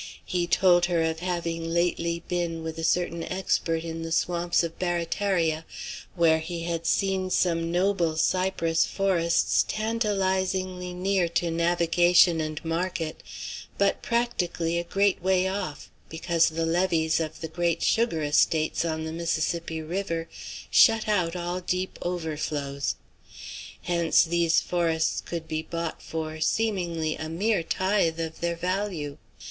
He told her of having lately been, with a certain expert, in the swamps of Barataria, where he had seen some noble cypress forests tantalizingly near to navigation and market, but practically a great way off, because the levees of the great sugar estates on the Mississippi River shut out all deep overflows. Hence these forests could be bought for, seemingly, a mere tithe of their value.